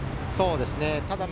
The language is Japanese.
そうですね。